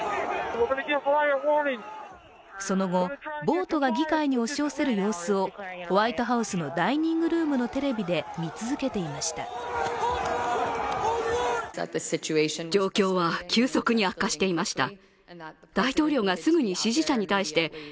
その後、暴徒が議会に押し寄せる様子をホワイトハウスのダイニングルームのテレビで見続けていました。